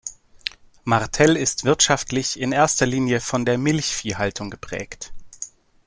Martell ist wirtschaftlich in erster Linie von der Milchviehhaltung geprägt.